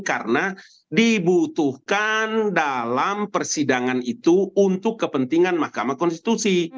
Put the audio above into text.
karena dibutuhkan dalam persidangan itu untuk kepentingan mahkamah konstitusi